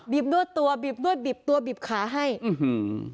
บนวดตัวบีบนวดบีบตัวบีบขาให้อื้อหือ